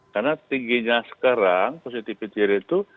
karena tingginya sekarang positivity rate itu